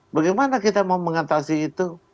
bagaimana kita mau mengatasi itu